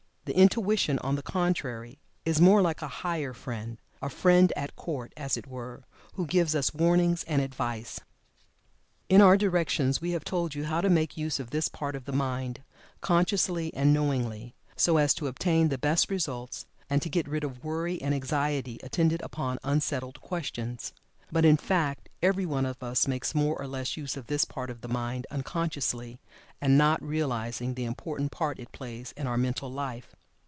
The Intuition, on the contrary, is more like a higher friend a friend at court, as it were, who gives us warnings and advice. In our directions we have told you how to make use of this part of the mind, consciously and knowingly, so as to obtain the best results, and to get rid of worry and anxiety attendant upon unsettled questions. But, in fact, every one of us makes more or less use of this part of the mind unconsciously, and not realizing the important part it plays in our mental life.